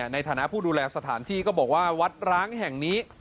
ในฐานะผู้ดูแลสถานที่ก็บอกว่าวัดร้างแห่งนี้